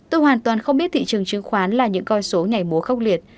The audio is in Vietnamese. tôi hoàn toàn không biết thị trường trừng khoán là những coi số nhảy múa khốc liệt